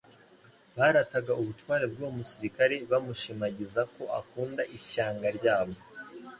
barataga ubutware bw'uwo musirikare bamushimagiza ko akunda ishyanga ryabo.